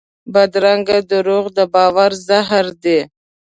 بدرنګه دروغ د باور زهر دي